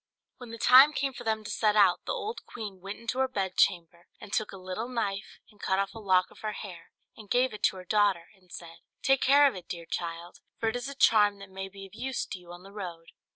When the time came for them to set out, the old queen went into her bed chamber, and took a little knife, and cut off a lock of her hair, and gave it to her daughter, and said, "Take care of it, dear child; for it is a charm that may be of use to you on the road."